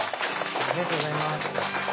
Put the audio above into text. ありがとうございます。